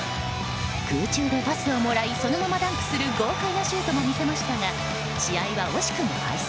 空中でパスをもらいそのままダンクする豪快なシュートも見せましたが試合は惜しくも敗戦。